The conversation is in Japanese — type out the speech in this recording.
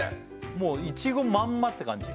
もういちごまんまって感じ